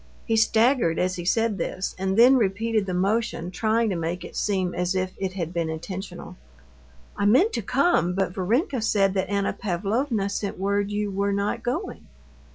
He staggered as he said this, and then repeated the motion, trying to make it seem as if it had been intentional. "I meant to come, but Varenka said that Anna Pavlovna sent word you were not going."